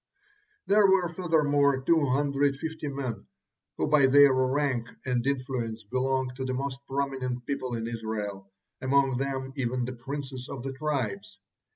There were, furthermore, two hundred fifty men, who by their rank and influence belonged to the most prominent people in Israel; among them even the princes of the tribes.